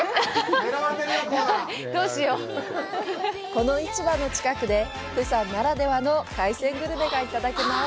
この市場の近くで、釜山ならではの海鮮グルメがいただけます。